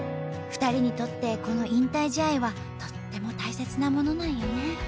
２人にとってこの引退試合はとっても大切なものなんよね。